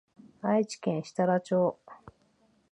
愛知県設楽町